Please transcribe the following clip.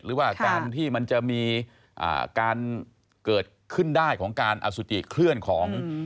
หรือว่าการที่มันจะมีการเกิดขึ้นได้ของการอสุจิเคลื่อนของ